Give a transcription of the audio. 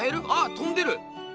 とんでる！